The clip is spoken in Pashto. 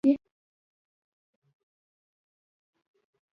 آیا چې پوهیدل پرې پکار نه دي؟